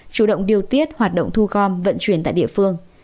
chủ động điều tiết hoạt động thu gom vận chuyển tại địa phương